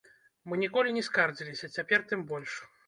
Мы ніколі не скардзіліся, цяпер тым больш.